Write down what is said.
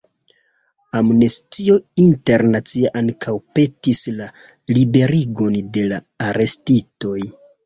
Amnestio Internacia ankaŭ petis la liberigon de la arestitoj.